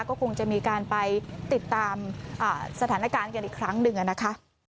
ก็คงจะมีการไปติดตามสถานการณ์กันอีกครั้งหนึ่งนะคะ